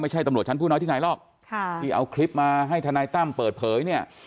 ตำรวจชั้นผู้น้อยที่ไหนหรอกที่เอาคลิปมาให้ทนายตั้มเปิดเผยเนี่ย